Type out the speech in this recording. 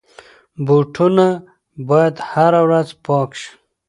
بوټونه باید هره ورځ پاک شي.